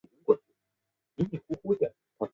弟弟为作家武野光。